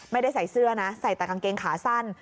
ไม่ได้ใส่เสื้อนะใส่แต่กางเกงขาสั้น